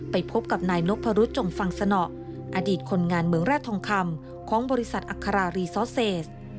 ไปพบกับนายนพรุษจงฟังสนออดีตคนงานเมืองแร่ทองคำของบริษัทอัครารีซอสเซส